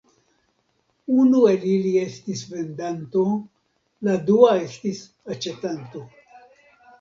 Unu el ili estis vendanto, la dua estis aĉetanto.